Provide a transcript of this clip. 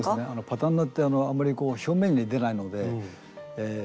パタンナーってあんまり表面に出ないのでえ